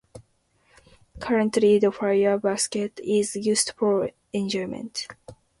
Currently the fire basket is used for enjoyment.